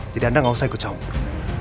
tidak ada yang eng usah ikut campur